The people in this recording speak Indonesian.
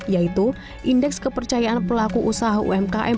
yaitu indeks kepercayaan pelaku usaha umkm